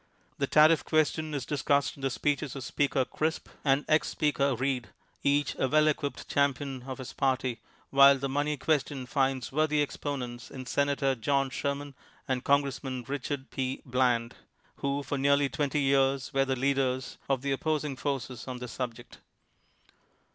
The tariff question is discussed in the speeches of Speaker Crisp, and ex Speaker Reed, each a well equipped champion of his party, while the money question finds worthy exponents in Sen ator John Sherman and Congressman Richard INTRODUCTION P. Bland, who for nearly twenty years were the leaders of the opposing forces on this subject.